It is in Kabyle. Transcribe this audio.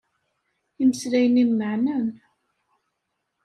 Imeslayen-im meɛnen.